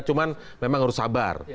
cuman memang harus sabar